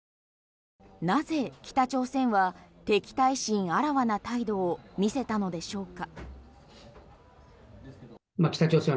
なぜ北朝鮮は敵対心あらわな態度を見せたのでしょうか？